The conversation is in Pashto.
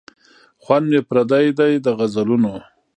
خوند مي پردی دی د غزلونو